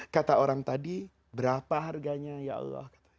kata orang tadi berapa harganya ya allah